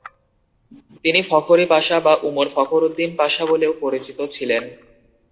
তিনি Fakhri Pasha বা Umar Fakhruddin পাশা বলেও পরিচিত ছিলেন।